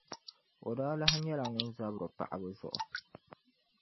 O daa lahi nyɛla ŋun zabiri paɣiba zuɣu.